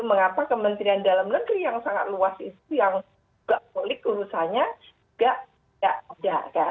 mengapa kementerian dalam negeri yang sangat luas itu yang juga polik urusannya tidak ada